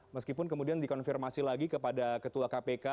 meskipun kemudian dikonfirmasi lagi kepada ketua kpk